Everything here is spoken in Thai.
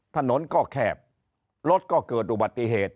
ถนนก็แคบรถก็เกิดอุบัติเหตุ